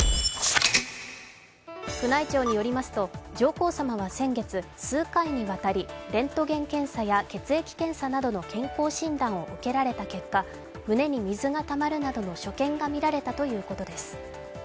宮内庁によりますと上皇さまは先月、数回にわたりレントゲン検査や血液検査などの健康診断を受けられた結果、胸に水がたまるなどの所見がみられたということです。